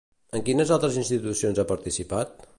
En quines altres institucions ha participat?